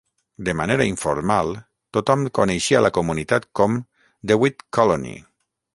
De manera informal, tothom coneixia la comunitat com "DeWitt Colony".